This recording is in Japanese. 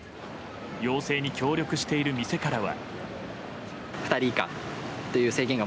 要請に協力している店からは。